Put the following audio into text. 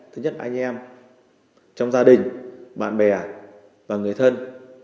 thứ nhất anh em trong gia đình bạn bè và người thân